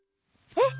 えっ？